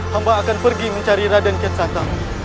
hamba akan pergi mencari raden kian santang